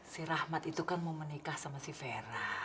si rahmat itu kan mau menikah sama si vera